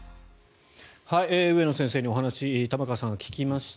上野先生にお話を玉川さんが聞きました。